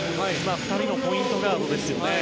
２人のポイントガードですよね。